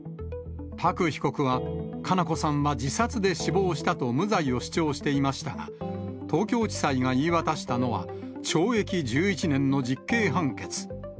パク被告は、佳菜子さんは自殺で死亡したと無罪を主張していましたが、東京地裁が言い渡したのは、懲役１１年の実刑判決。